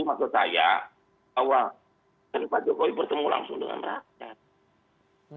maksud saya bahwa pak jokowi bertemu langsung dengan rakyat